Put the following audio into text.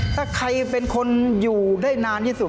ถ้าใครเป็นคนอยู่ได้นานที่สุด